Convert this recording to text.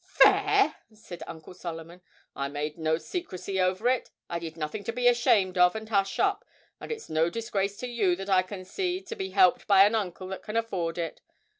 'Fair!' said Uncle Solomon. 'I made no secrecy over it. I did nothing to be ashamed of and hush up, and it's no disgrace to you that I can see to be helped by an uncle that can afford it.